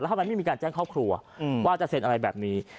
แล้วทำไมมีการแจ้งท่อมีข้อกลัวว่าจะเซ็นอะไรแบบนี้